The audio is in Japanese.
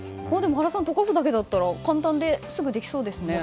原さん、解かすだけだったら簡単にできそうですね。